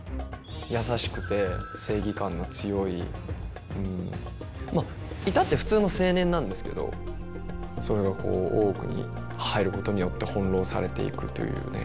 優しくて正義感の強いまあ至って普通の青年なんですけどそれがこう大奥に入ることによって翻弄されていくというね。